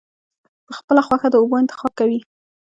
پۀ خپله خوښه د اوبو انتخاب کوي -